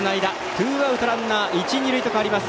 ツーアウト、ランナー一、二塁と変わります。